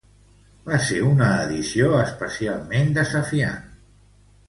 Va ser una edició especialment desafiant.